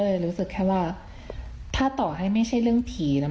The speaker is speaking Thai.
มีแต่เสียงตุ๊กแก่กลางคืนไม่กล้าเข้าห้องน้ำด้วยซ้ำ